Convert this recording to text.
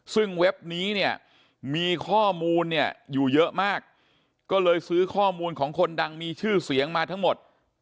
ซึ่งเว็บนี้เนี่ยมีข้อมูลเนี่ยอยู่เยอะมากก็เลยซื้อข้อมูลของคนดังมีชื่อเสียงมาทั้งหมด